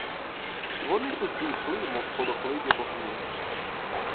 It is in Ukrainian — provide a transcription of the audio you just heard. Вони тут зійшли, мов полохливі вогні.